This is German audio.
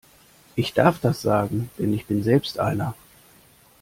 Ich darf das sagen, denn ich bin selbst einer!